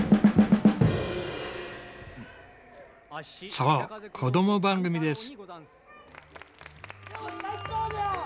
そう子ども番組です。